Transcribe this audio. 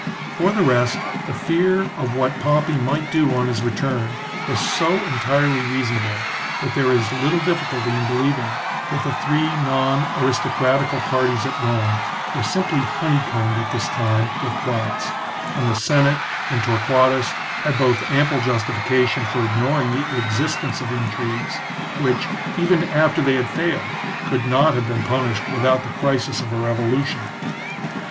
For the rest, the fear of what Pompey might do on his return was so entirely reasonable, that there is little difficulty in believing that the three non aristocratical parties at Rome were simply honeycombed at this time with plots, and the Senate and Torquatus had both ample justification for ignoring the existence of intrigues, which, even after they had failed, could not have been punished without the crisis of a revolution.